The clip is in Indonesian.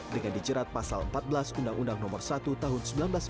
dengan dijerat pasal empat belas undang undang nomor satu tahun seribu sembilan ratus empat puluh